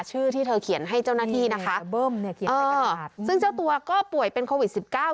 ชื่อที่เธอเขียนให้เจ้าหน้าที่นะคะเออซึ่งเจ้าตัวก็ป่วยเป็นโควิดสิบเก้า